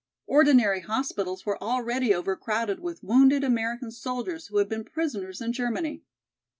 Ordinary hospitals were already overcrowded with wounded American soldiers who had been prisoners in Germany.